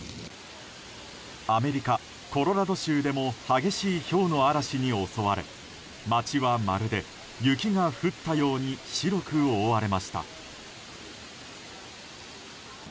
アメリカ・コロラド州でも激しいひょうの嵐に襲われ街はまるで雪が降ったように白く覆われました。